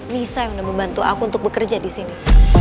nisa yang udah membantu aku untuk bekerja disini